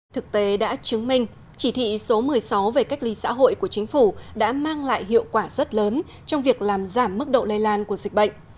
thực tế đã chứng minh chỉ thị số một mươi sáu về cách ly xã hội của chính phủ đã mang lại hiệu quả rất lớn trong việc làm giảm mức độ lây lan của dịch bệnh